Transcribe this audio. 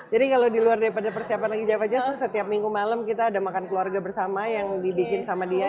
jadi kalau di luar dari persiapan lagi jawab aja setiap minggu malam kita ada makan keluarga bersama yang dibikin sama dia